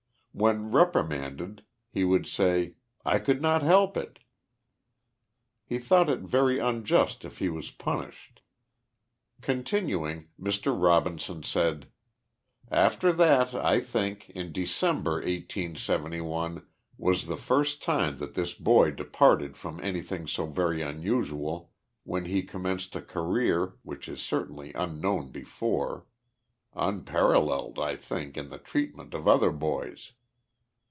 When reprimanded he would say, " I could not help it." He thought it very unjust if lie was punished. 55 THE LIFE OF JESSE HARDING POMEROY. Continuing, Mr. Robinson said :" After that, I think, in De cember. 1871, was the first time that this boy departed from any thing so very unusual when lie commenced a career, which is certainly unknown before ; unparalled, I think, in the treatment of other boys.